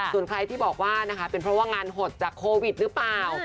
ส่วนใครที่บอกว่านะคะเป็นเพราะว่างานหดจากโควิดหรือเปล่า